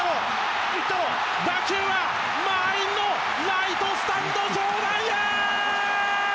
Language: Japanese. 打球は満員のライトスタンド上段へ！